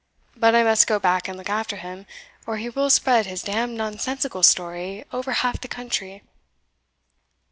But I must go back and look after him, or he will spread his d d nonsensical story over half the country."